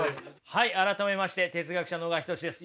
はい改めまして哲学者の小川仁志です。